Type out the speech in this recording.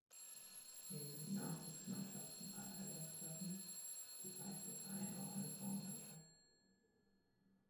Neben den Nachwuchsmannschaften aller Altersklassen betreibt der Verein auch eine Frauenmannschaft.